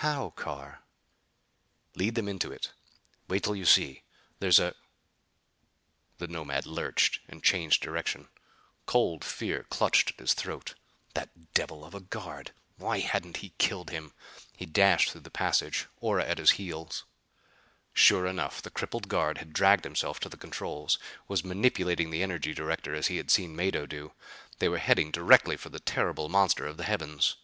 "How, Carr?" "Lead them into it. Wait tall you see! There's a "The Nomad lurched, and changed direction. Cold fear clutched at his throat. That devil of a guard! Why hadn't he killed him? He dashed through the passage, Ora at his heels. Sure enough, the crippled guard had dragged himself to the controls; was manipulating the energy director as he had seen Mado do. They were heading directly for the terrible monster of the heavens!